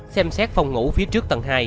xem xét phòng ngủ phía trước tầng hai